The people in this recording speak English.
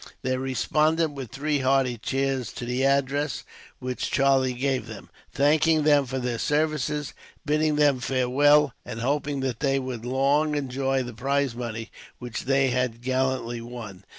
They responded with three hearty cheers to the address which Charlie gave them, thanking them for their services, bidding them farewell, and hoping that they would long enjoy the prize money which they had gallantly won.